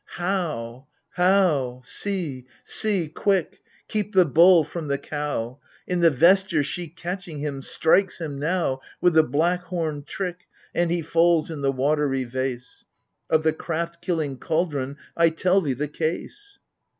How ! How ! See— see quick ! Keep the bull from the cow ! In the vesture she catching him, strikes him now With the black horned trick, And he falls in the watery vase ! Of the craft killing cauldron I tell thee the case